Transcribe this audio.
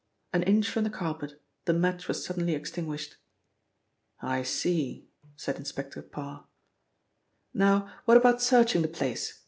An inch from the carpet the match was suddenly extinguished. "I see," said Inspector Parr. "Now what about searching the place?